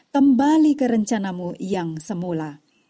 kembali ke rencanamu yang semula